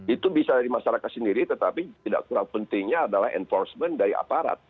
itu bisa dari masyarakat sendiri tetapi tidak kurang pentingnya adalah enforcement dari aparat